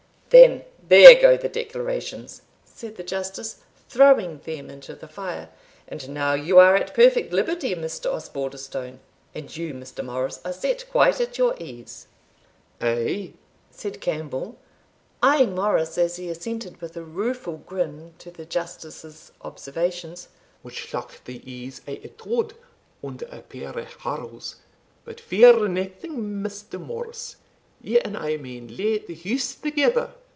"Then, there go the declarations," said the Justice, throwing them into the fire "And now you are at perfect liberty, Mr Osbaldistone. And you, Mr. Morris, are set quite at your ease." "Ay," said Campbell, eyeing Morris as he assented with a rueful grin to the Justice's observations, "much like the ease of a tod under a pair of harrows But fear nothing, Mr. Morris; you and I maun leave the house thegither.